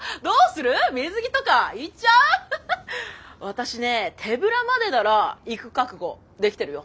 私ね手ブラまでならいく覚悟できてるよ。